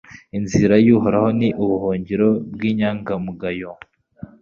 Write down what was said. Inzira y’Uhoraho ni ubuhungiro bw’inyangamugayo